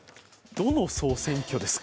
どの総選挙ですか？